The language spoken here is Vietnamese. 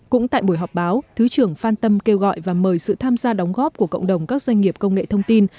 cũng tại buổi họp báo thứ trưởng phan tâm kêu gọi và mời sự tham gia đóng góp của cộng đồng các doanh nghiệp công nghệ thông tin